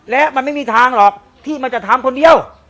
และมันไม่มีทางหรอกที่มันจะทำคนเดียว